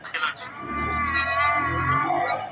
موږ څه شي ته د راتلونکي لپاره لا ډېر هیله من کوي؟